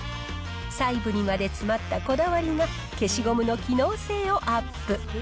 細部にまで詰まったこだわりが、消しゴムの機能性をアップ。